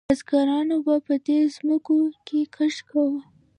بزګرانو به په دې ځمکو کې کښت کاوه.